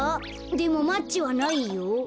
でもマッチはないよ。